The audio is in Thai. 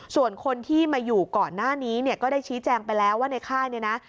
ส่วนคนที่มาอยู่ก่อนหน้านี้เนี่ยก็ได้ชี้แจงไปแล้วว่าในค่ายเนี่ยนะ